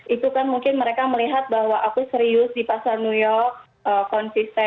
itu kan mungkin mereka melihat bahwa aku serius di pasar new york konsisten